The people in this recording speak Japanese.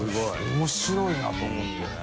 腓Α面白いなと思ってね。